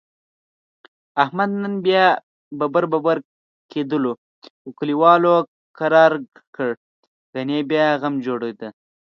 احمد نن بیا ببر ببر کېدلو، خو کلیوالو کرارکړ؛ گني بیا غم جوړیدا.